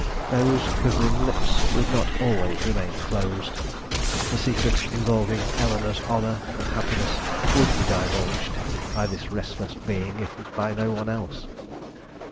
Those quivering lips would not always remain closed; the secret involving Eleanore's honor and happiness would be divulged by this restless being, if by no one else.